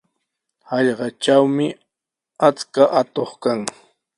Hallqatrawmi achka atuq kan.